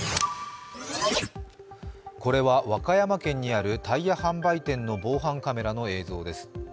これは和歌山県にあるタイヤ販売店の防犯カメラの映像です。